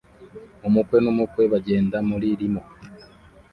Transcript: Umukwe n'umukwe bagenda muri limo